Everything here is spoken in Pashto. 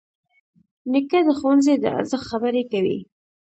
نیکه د ښوونځي د ارزښت خبرې کوي.